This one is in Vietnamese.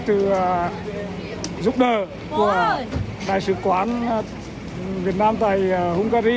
từ giúp đỡ của đại sứ quán việt nam tại hungary